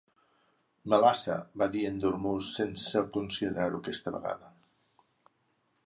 "Melassa", va dir en Dormouse, sense considerar-ho aquesta vegada.